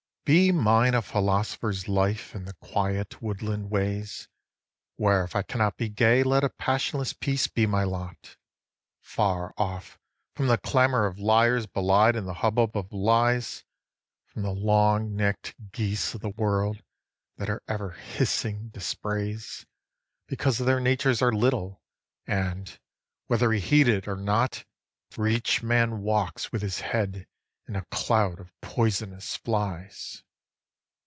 9. Be mine a philosopher's life in the quiet woodland ways, Where if I cannot be gay let a passionless peace be my lot, Far off from the clamour of liars belied in the hubbub of lies; From the long neck'd geese of the world that are ever hissing dispraise Because their natures are little, and, whether he heed it or not, Where each man walks with his head in a cloud of poisonous flies.